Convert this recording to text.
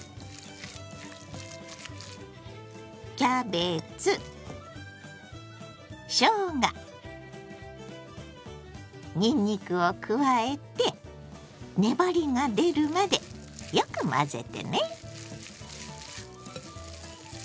キャベツしょうがにんにくを加えて粘りが出るまでよく混ぜてね。